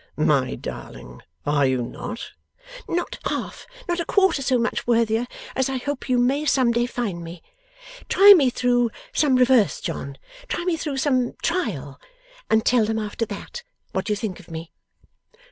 'My darling, are you not?' 'Not half, not a quarter, so much worthier as I hope you may some day find me! Try me through some reverse, John try me through some trial and tell them after THAT, what you think of me.